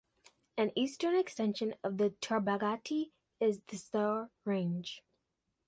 An eastern extension of the Tarbagatai is the Saur Range.